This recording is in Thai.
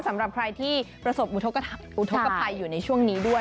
สำหรับใครที่ประสบอุทธกภัยอยู่ในช่วงนี้ด้วย